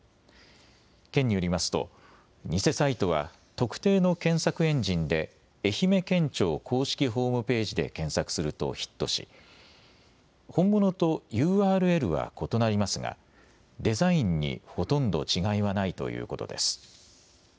県によりますと偽サイトは特定の検索エンジンで愛媛県庁公式ホームページで検索するとヒットし本物とＵＲＬは異なりますがデザインにほとんど違いはないということです。